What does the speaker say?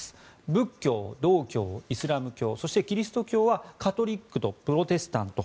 仏教、道教、イスラム教そして、キリスト教はカトリックとプロテスタント